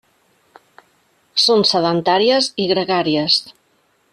Són sedentàries i gregàries.